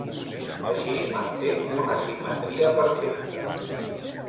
Així, manté una simetria perfecta.